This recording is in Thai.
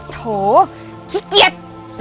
โถขี้เกียจ